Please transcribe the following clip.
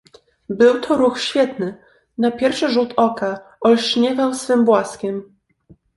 "Był to ruch świetny, na pierwszy rzut oka olśniewał swym blaskiem."